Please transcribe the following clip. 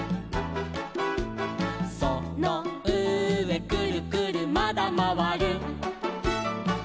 「そのうえくるくるまだまわる」